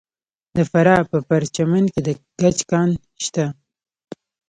د فراه په پرچمن کې د ګچ کان شته.